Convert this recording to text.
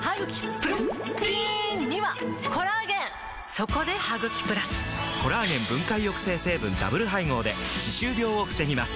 そこで「ハグキプラス」！コラーゲン分解抑制成分ダブル配合で歯周病を防ぎます